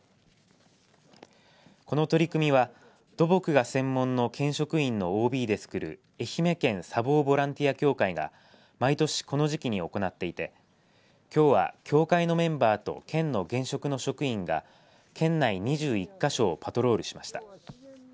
この取り組みは土木が専門の現職員のＯＢで作る愛媛県砂防ボランティア協会が毎年この時期に行っていてきょうは協会のメンバーと県の現職の職員が県内２１か所をパトロールしました。